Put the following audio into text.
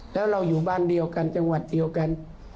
แล้วเราอยู่บ้านเดียวกันจังหวัดเดียวกัน